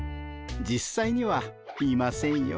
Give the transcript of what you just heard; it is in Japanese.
実際にはいませんよ。